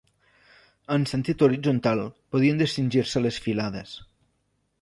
En sentit horitzontal podien distingir-se les filades.